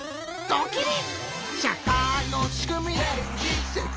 ドキリ！